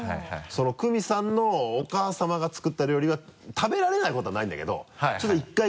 クミさんのお母さまが作った料理は食べられないことはないんだけどちょっと１回